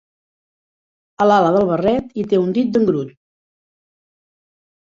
A l'ala del barret hi té un dit d'engrut.